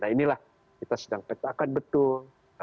nah inilah kita sedang petakan betul